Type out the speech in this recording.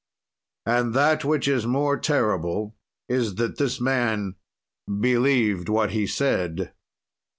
And that which is more terrible is that this man believed what he said.